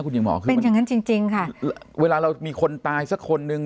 คุณหญิงหมอคือเป็นอย่างงั้นจริงจริงค่ะเวลาเรามีคนตายสักคนนึง